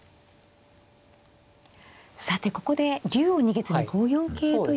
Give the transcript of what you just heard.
さてここで竜を逃げずに５四桂という手が。